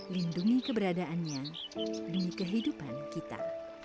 lindungi keberadaannya demi kehidupan kita